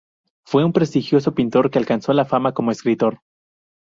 Fue un prestigioso pintor aunque alcanzó la fama como escritor.